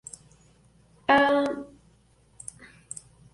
Agha Mohammad Khan regresó a Teherán en lugar de atacar Shiraz nuevamente.